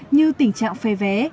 như tình trạng phê vé